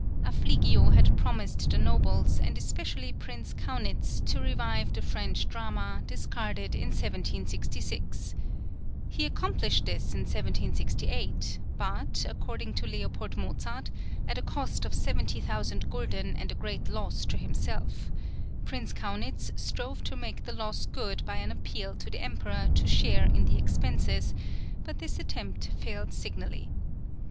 Affligio had promised the nobles, and especially Prince Kaunitz, to revive the French drama, discarded in 1766. He accomplished this in 1768, but, according to L. Mozart, at a cost of 70,000 gulden and a great loss to himself; Prince Kaunitz strove to make the loss good by an appeal to the Emperor to share in the expenses; but this attempt failed signally.